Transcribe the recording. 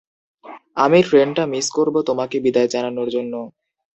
আমি ট্রেনটা মিস করব তোমাকে বিদায় জানানোর জন্য।